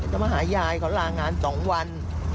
จะมาหายายเขาลางาน๒วัน